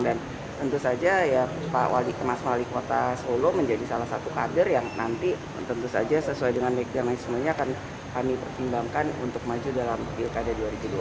tentu saja ya pak wali kemas wali kota solo menjadi salah satu kader yang nanti tentu saja sesuai dengan mekanismenya akan kami pertimbangkan untuk maju dalam pilkada dua ribu dua puluh